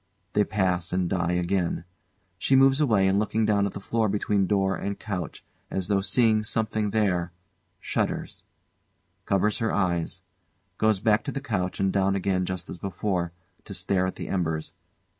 They pass and die again. She moves away and looking down at the floor between door and couch, as though seeing something there; shudders; covers her eyes; goes back to the couch and down again just as before, to stare at the embers.